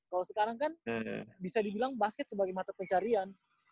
kalau sekarang kan bisa dibilang basket sebagai mata pencarian